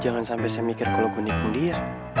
jangan sampe kayak gue pengen ikut dia